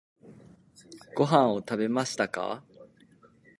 ご飯を食べましたか？